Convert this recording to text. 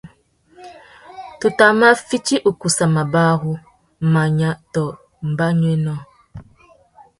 Tu tà mà fiti ukussa mabarú, manya tô mbanuénô.